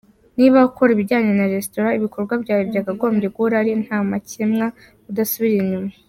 Niba ukora ibijyanye na restaurant ibikorwa byawe byakagombye guhora ari nta makemwa, udasubira inyuma.